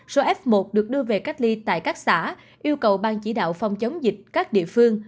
số f một được đưa về cách ly tại các xã yêu cầu ban chỉ đạo phòng chống dịch các địa phương